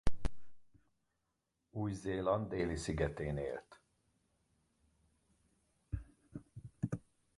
Új-Zéland déli-szigetén élt.